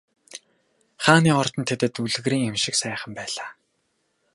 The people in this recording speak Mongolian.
Хааны ордон тэдэнд үлгэрийн юм шиг сайхан байлаа.